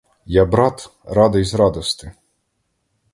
Я, брат, радий, з радости.